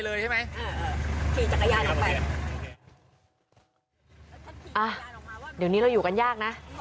เดี๋ยวนี้เราอยู่กันยากนะ